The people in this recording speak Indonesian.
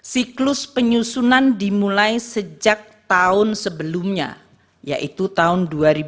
siklus penyusunan dimulai sejak tahun sebelumnya yaitu tahun dua ribu dua puluh